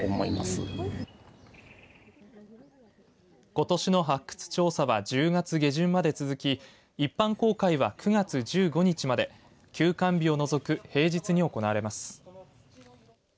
ことしの発掘調査は１０月下旬まで続き一般公開は９月１５日まで休館日を除く平日に行われます。